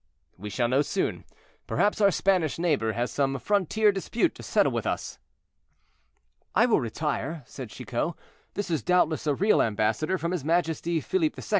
"We shall soon know; perhaps our Spanish neighbor has some frontier dispute to settle with us." "I will retire," said Chicot. "This is doubtless a real ambassador from his majesty Philippe II.